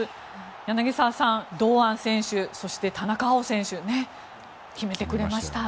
柳澤さん、堂安選手そして田中碧選手決めてくれました。